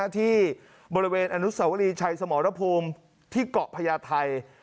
ที่บริเวณอนุสวรีชัยสมรภูมิที่เกาะพญาไทย